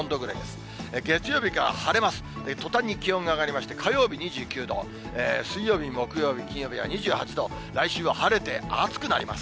とたんに気温が上がりまして、火曜日２９度、水曜日、木曜日、金曜日が２８度、来週は晴れて暑くなります。